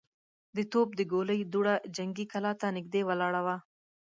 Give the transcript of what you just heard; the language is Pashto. د توپ د ګولۍ دوړه جنګي کلا ته نږدې ولاړه وه.